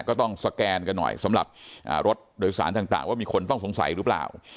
ก็ต้องสแกนกันหน่อยสำหรับรถโดยสารต่างว่ามีคนต้องสงสัยหรือเปล่า